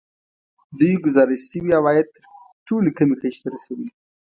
دوی ګزارش شوي عواید تر ټولو کمې کچې ته رسولي